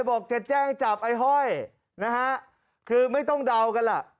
บอกจะแจ้งจับไอ้ห้อยนะฮะคือไม่ต้องเดากันล่ะ